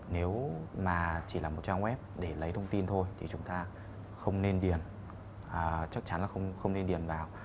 nếu mà chỉ là một trang web để lấy thông tin thôi thì chúng ta không nên điền chắc chắn là không nên điền vào